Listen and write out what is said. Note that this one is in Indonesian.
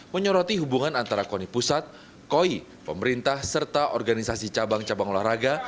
menyoroti hubungan antara koni pusat koi pemerintah serta organisasi cabang cabang olahraga